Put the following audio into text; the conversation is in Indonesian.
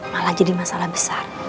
malah jadi masalah besar